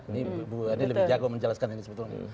ini bu ade lebih jago menjelaskan ini sebetulnya